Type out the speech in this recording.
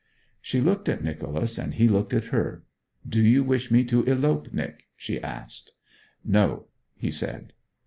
She looked at Nicholas, and he looked at her. 'Do you wish me to elope, Nic?' she asked. 'No,' he said.